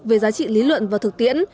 về giá trị lý luận và thực tiễn